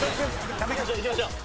いきましょう。